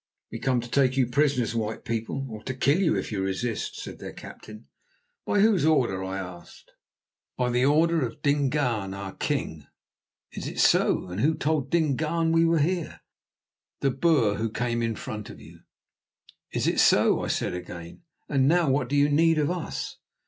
"We come to take you prisoners, white people, or to kill you if you resist," said their captain. "By whose order?" I asked. "By the order of Dingaan our king." "Is it so? And who told Dingaan that we were here?" "The Boer who came in front of you." "Is it so?" I said again. "And now what do you need of us?"